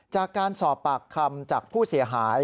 จากการสอบปากคำจากผู้เสียหาย